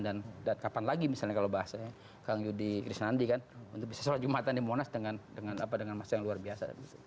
kapan lagi misalnya kalau bahasanya kang yudi krisnandi kan untuk bisa sholat jumatan di monas dengan masa yang luar biasa